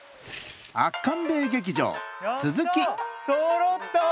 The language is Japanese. そろった！